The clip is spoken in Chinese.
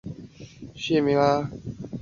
找不到真实世界中的依靠